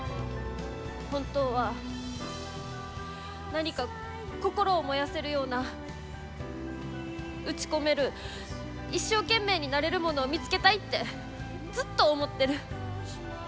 本当は、何か心を燃やせるような打ち込める一生懸命になれるものを見つけたいってずっと思ってる。